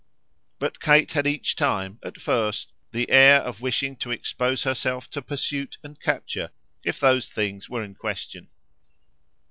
But Kate had each time, at first, the air of wishing to expose herself to pursuit and capture if those things were in question.